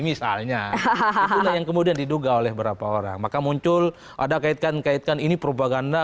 misalnya itulah yang kemudian diduga oleh berapa orang maka muncul ada kaitkan kaitkan ini propaganda